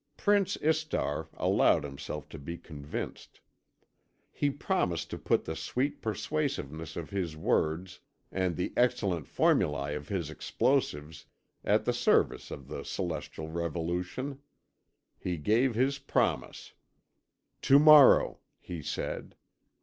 Prince Istar allowed himself to be convinced. He promised to put the sweet persuasiveness of his words and the excellent formulæ of his explosives at the service of the celestial revolution. He gave his promise. "To morrow," he said.